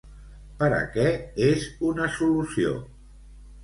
Per a què és una solució?